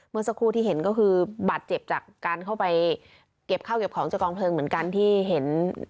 เมื่อสักครู่ที่เห็นก็คือบาดเจ็บจากการเข้าไปเก็บข้าวเก็บของจากกองเพลิงเหมือนกันที่เห็น